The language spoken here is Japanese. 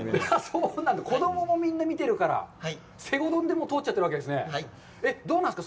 そうなんですね、子供もみんな見てるから、“西郷どん”で通っちゃっているわけなんですね。どうなんですか？